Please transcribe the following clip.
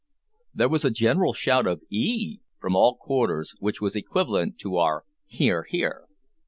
There was a general shout of "eehee!" from all quarters, which was equivalent to our "hear, hear."